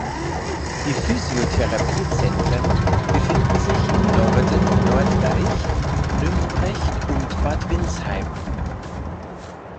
Die Physiotherapie-Zentren befinden sich in Norden-Norddeich, Nümbrecht und Bad Windsheim.